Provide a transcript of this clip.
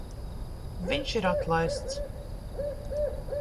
Viņš ir atlaists.